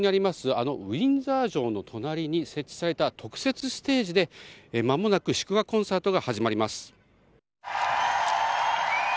あのウィンザー城の隣に設置された特設ステージで間もなく祝賀コンサートが始まります。